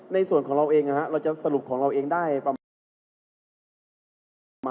ในส่วนของเราเองเราจะสรุปของเราเองได้ประมาณว่า